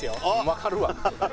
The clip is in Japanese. わかるわ。